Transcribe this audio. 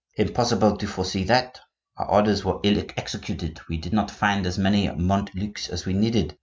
Impossible to foresee that. Our orders were ill executed; we did not find as many Montlucs as we needed.